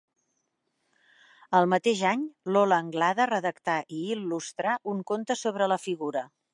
El mateix any, Lola Anglada redactà i il·lustrà un conte sobre la figura.